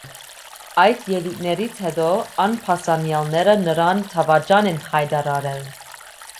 Այդ ելույթներից հետո ամբաստանյալները նրան դավաճան են հայտարարել։